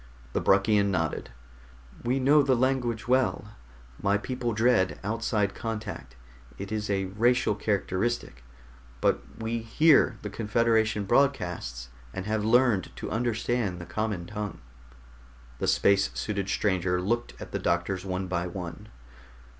The Bruckian nodded. "We know the language well. My people dread outside contact it is a racial characteristic but we hear the Confederation broadcasts and have learned to understand the common tongue." The space suited stranger looked at the doctors one by one.